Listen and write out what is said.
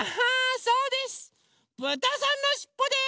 そうです！